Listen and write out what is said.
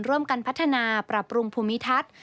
ร่วมกันพัฒนาปรับปรุงภูมิทัศน์